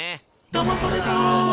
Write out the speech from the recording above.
「だまされた」